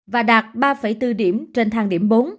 và đạt ba bốn điểm trên thang điểm bốn